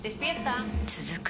続く